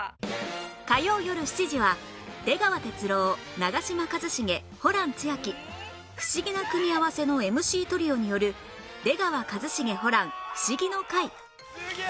火曜よる７時は出川哲朗長嶋一茂ホラン千秋フシギな組み合わせの ＭＣ トリオによる『出川一茂ホラン☆フシギの会』